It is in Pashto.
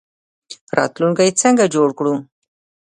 راتلونکی څنګه جوړ کړو؟